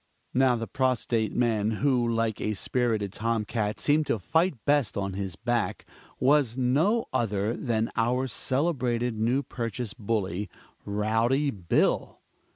Now the prostrate man, who like a spirited tom cat seemed to fight best on his back, was no other than our celebrated New Purchase bully Rowdy Bill!